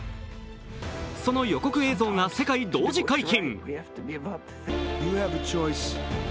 その予告映像が世界同時解禁。